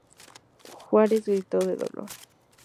Juárez gritó de dolor.